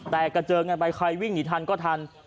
แต่กระเจอกันไปใครวิ่งหรือทันก็ทัน